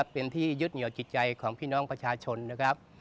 เป็นที่ยึดเหนียวจิตใจของพี่น้องประชาชนนะครับ